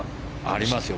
ありますよ。